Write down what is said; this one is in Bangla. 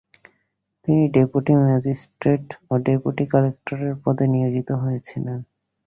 তিনি ডেপুটি ম্যাজিস্টেট ও ডেপুটি কালেক্টরের পদে নিয়োজিত হয়েছিলেন।